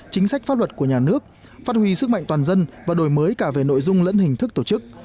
chính sách pháp luật của nhà nước phát huy sức mạnh toàn dân và đổi mới cả về nội dung lẫn hình thức tổ chức